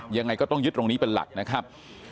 ยังไงก็ต้องยึดตรงนี้เป็นหลักนะครับ